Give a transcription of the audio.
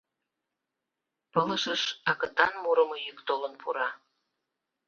Пылышыш агытан мурымо йӱк толын пура.